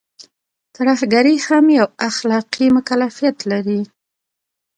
ترهګري هم يو اخلاقي مکلفيت لري.